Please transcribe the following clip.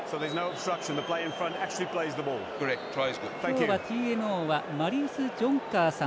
今日はＴＭＯはマリス・ジョンカーさん